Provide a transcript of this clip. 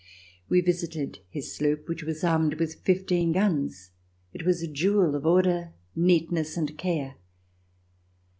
We visited his sloop, which was armed with fifteen guns. It was a jewel of order, neatness and care.